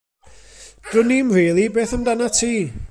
Dwnim, rili, beth amdanat ti?